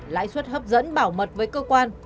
lãi suất hấp dẫn bảo mật với cơ quan